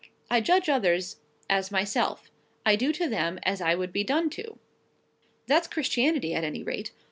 I judge others as myself; I do to them as I would be done to. That's Christianity, at any rate.